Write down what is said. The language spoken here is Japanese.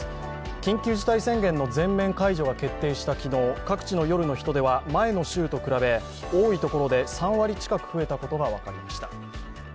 緊急事態宣言の全面解除が決定した昨日各地の夜の人出は前の週の同じ曜日と比べ多いところで３割近く増えたことが分かりました。